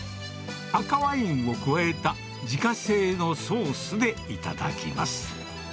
赤ワインを加えた自家製のソースで頂きます。